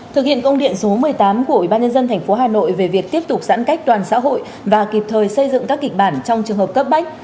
thực hiện công điện số một mươi tám của ủy ban nhân dân thành phố hà nội về việc tiếp tục giãn cách toàn xã hội và kịp thời xây dựng các kịch bản trong trường hợp cấp bách